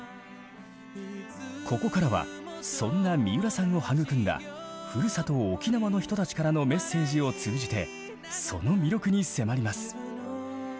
ここからはそんな三浦さんを育んだふるさと沖縄の人たちからのメッセージを通じてその魅力に迫ります。